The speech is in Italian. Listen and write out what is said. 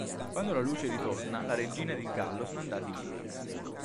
Quando la luce ritorna, la regina ed il gallo sono andati via.